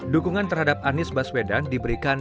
dukungan terhadap anies baswedan diberikan